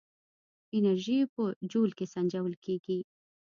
انرژي په جول کې سنجول کېږي.